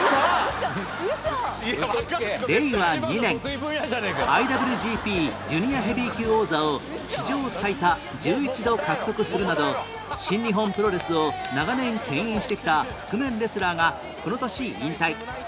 令和２年 ＩＷＧＰ ジュニアヘビー級王座を史上最多１１度獲得するなど新日本プロレスを長年牽引してきた覆面レスラーがこの年引退